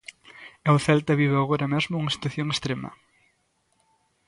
E o Celta vive agora mesmo unha situación extrema.